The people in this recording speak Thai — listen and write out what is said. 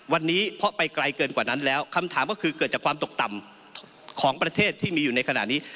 วันนี้เพราะไปไกลเกินกว่านั้นแล้วคำถามก็คือเกิดจากความตกต่ำของประเทศที่มีอยู่ในขณะนี้